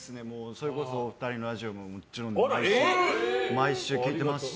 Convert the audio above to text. それこそお二人のラジオももちろん毎週聴いてますし。